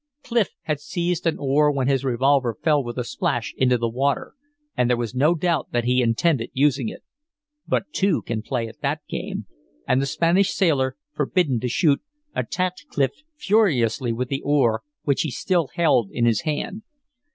Clif had seized an oar when his revolver fell with a splash into the water, and there was no doubt that he intended using it. But two can play at that game, and the Spanish sailor, forbidden to shoot, attacked Clif furiously with the oar, which he still held in his hand.